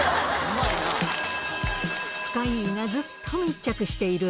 深イイがずっと密着している